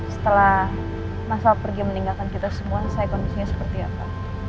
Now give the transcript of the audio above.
setelah masa pergi meninggalkan kita semua selesai kondisinya seperti apa